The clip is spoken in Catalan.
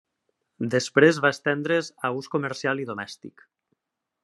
Després va estendre's a ús comercial i domèstic.